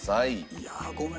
いやあごめん。